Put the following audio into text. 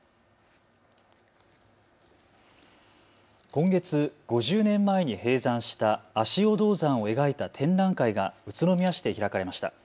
今月、５０年前に閉山した足尾銅山を描いた展覧会が宇都宮市で開かれました。